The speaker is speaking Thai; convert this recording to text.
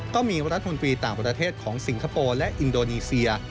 ก็มีรัฐมนตรีต่างประเทศของสิงคโปร์และอินโดนีเซีย